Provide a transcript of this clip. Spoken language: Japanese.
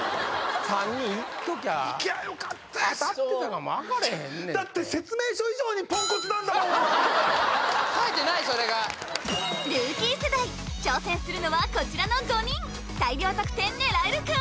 ３人いっときゃ当たってたかも分かれへんねんだって書いてないそれがルーキー世代挑戦するのはこちらの５人大量得点狙えるか？